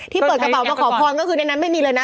เปิดกระเป๋ามาขอพรก็คือในนั้นไม่มีเลยนะ